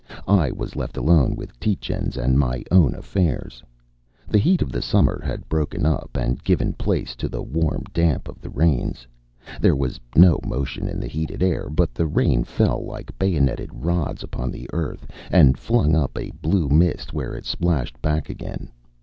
I was left alone with Tietjens and my own affairs. The heat of the summer had broken up and given place to the warm damp of the rains. There was no motion in the heated air, but the rain fell like bayonet rods on the earth, and flung up a blue mist where it splashed back again.